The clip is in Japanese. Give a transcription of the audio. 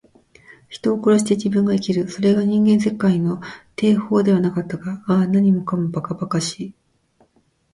人を殺して自分が生きる。それが人間世界の定法ではなかったか。ああ、何もかも、ばかばかしい。